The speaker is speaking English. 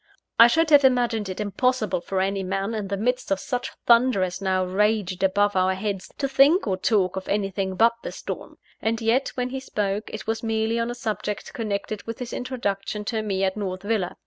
I should have imagined it impossible for any man, in the midst of such thunder as now raged above our heads, to think or talk of anything but the storm. And yet, when he spoke, it was merely on a subject connected with his introduction to me at North Villa.